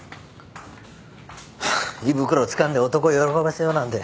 胃袋つかんで男を喜ばせようなんて。